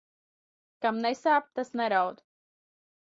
Kam nesāp, tas neraud.